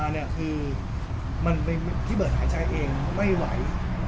เพราะที่ผ่านมาเนี่ยคือพี่เบิร์ดหายใจเองไม่ไหว